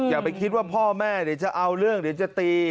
อย่าไปคิดว่าพ่อแม่เดี๋ยวจะเอาเรื่องเดี๋ยวจะตี